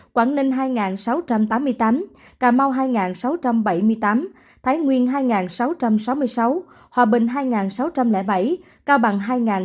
quảng ninh hai sáu trăm tám mươi tám cà mau hai sáu trăm bảy mươi tám thái nguyên hai sáu trăm sáu mươi sáu hòa bình hai sáu trăm linh bảy cao bằng hai bốn trăm bốn mươi bốn